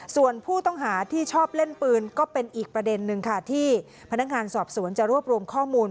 ส่วนผู้ต้องหาที่ชอบเล่นปืนก็เป็นอีกประเด็นนึงค่ะที่พนักงานสอบสวนจะรวบรวมข้อมูล